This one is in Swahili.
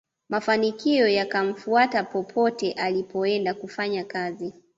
mafanikio yakamfuata popote alipoenda kufanya kazi